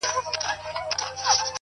• لویی وني دي ولاړي شنه واښه دي ,